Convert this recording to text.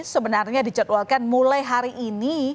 sebenarnya dijadwalkan mulai hari ini